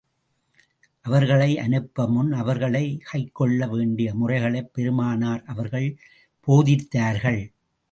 அவர்களை அனுப்பு முன் அவர்கள் கைக்கொள்ள வேண்டிய முறைகளைப் பெருமானார் அவர்கள் போதித்தார்கள்.